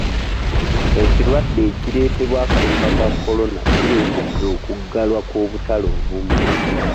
Ekirwadde ekireetebwa akawuka ka kolona kireetedde okuggalwa kw'obutale obumu.